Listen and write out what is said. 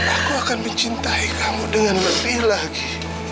aku akan mencintai kamu dengan lebih lagi